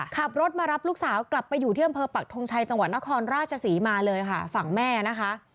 ขับรถมารับลูกสาวกลับไปอยู่ที่อำเภอปักทงชัยจังหวัดนครราชศรีมาเลยค่ะฝั่งแม่นะคะ